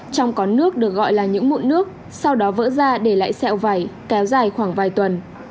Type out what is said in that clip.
trong con nước được gọi là những mụn nước sau đó vỡ ra để lại sẹo vẩy kéo dài khoảng vài tuần